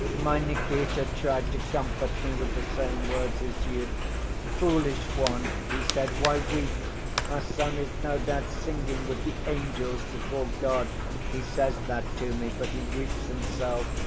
"My Nikita tried to comfort me with the same words as you. 'Foolish one,' he said, 'why weep? Our son is no doubt singing with the angels before God.' He says that to me, but he weeps himself.